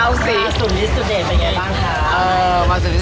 เออมาสุดลิสต์สุดเดท